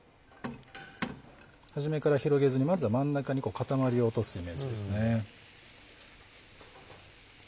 始めから広げずにまずは真ん中に固まりを落とすイメージですね。